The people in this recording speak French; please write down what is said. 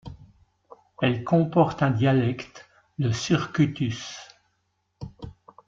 Elle comporte un dialecte le surkutus.